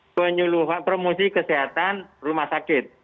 penyuluhan promosi kesehatan rumah sakit